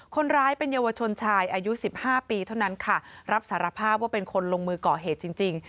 คนร้ายเป็นเยาวชนชายอายุสิบห้าปีเท่านั้นค่ะรับสารภาพว่าเป็นคนลงมือก่อเหตุจริง